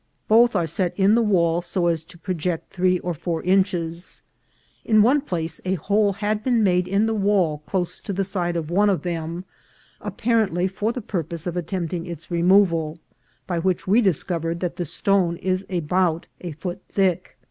Both are set in the wall so as to project three or four inches. In one place a hole had been made in the wall close to the side of one of them, apparently for the purpose of attempting its removal, by which we discovered that the stone is about a foot thick.